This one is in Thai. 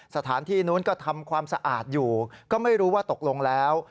สถานที่นู้นก็ทำความสะอาดอยู่ก็ไม่รู้ว่าตกลงแล้ว